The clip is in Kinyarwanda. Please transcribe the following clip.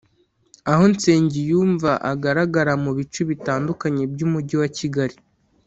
Aho Nsengiyumva agaragara mu bice bitandukanye by’Umujyi wa Kigali